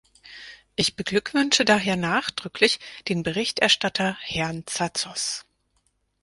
Ich beglückwünsche daher nachdrücklich den Berichterstatter, Herrn Tsatsos.